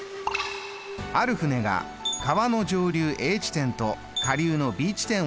ある舟が川の上流Ａ地点と下流のＢ地点を往復します。